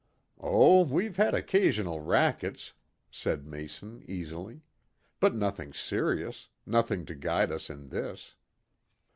"Oh, we've had occasional 'rackets,'" said Mason easily. "But nothing serious nothing to guide us in this.